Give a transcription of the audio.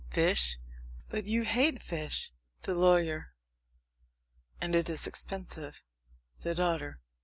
Fish? But you hate fish? THE LAWYER. And it is expensive. THE DAUGHTER.